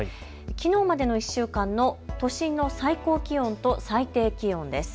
きのうまでの１週間の都心の最高気温と最低気温です。